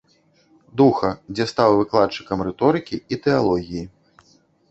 Духа, дзе стаў выкладчыкам рыторыкі і тэалогіі.